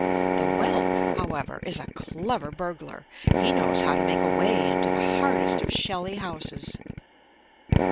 The Whelk, however, is a clever burglar; he knows how to make a way into the hardest of shelly houses.